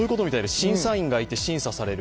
審査員がいて、審査される。